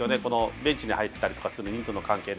ベンチに入ったりする関係で。